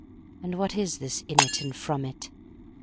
and what is this in it and from it?